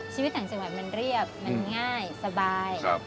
ชีวิตต่างจังหวัดมันเรียบมันง่ายสบาย